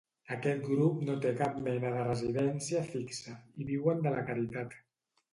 Aquest grup no té cap mena de residència fixa, i viuen de la caritat.